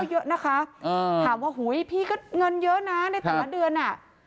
ถามว่าพี่ก็เงินเยอะนะในแต่ละเดือน